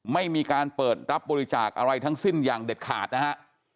ไม่มีการเปิดรับบริจาคอะไรทั้งสิ้นอย่างเด็ดขาดนะฮะ